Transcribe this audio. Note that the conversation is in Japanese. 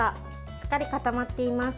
しっかり固まっています。